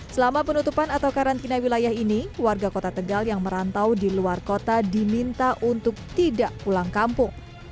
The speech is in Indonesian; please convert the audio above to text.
selama penutupan atau karantina wilayah ini warga kota tegal yang merantau di luar kota diminta untuk tidak pulang kampung